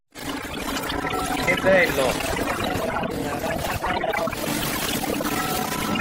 Che bello!